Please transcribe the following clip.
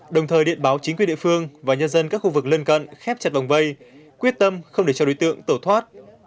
đồng thời điện báo chính quyền địa phương và nhân dân các khu vực lân cận khép chặt vòng vây quyết tâm không để cho đối tượng tổ thoát